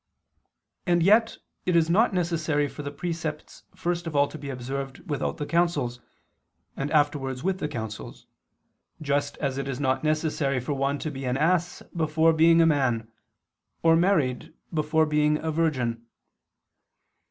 And yet it is not necessary for the precepts first of all to be observed without the counsels, and afterwards with the counsels, just as it is not necessary for one to be an ass before being a man, or married before being a virgin.